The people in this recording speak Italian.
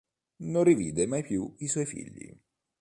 Non rivide mai più i suoi figli.